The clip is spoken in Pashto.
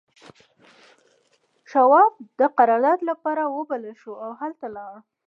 شواب د قرارداد لپاره وبلل شو او هلته لاړ